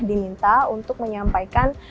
diminta untuk menyampaikan